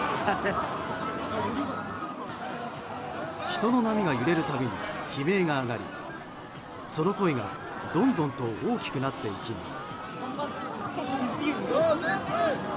人の波が揺れるたび悲鳴が上がりその声がどんどんと大きくなっていきます。